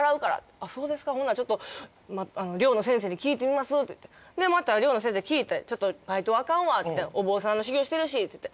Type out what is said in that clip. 「あっそうですかほんならちょっと寮の先生に聞いてみます」って言ってでまた寮の先生に聞いて「ちょっとバイトはあかんわお坊さんの修行してるし」って言って。